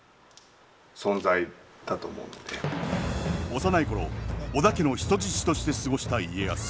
幼い頃織田家の人質として過ごした家康。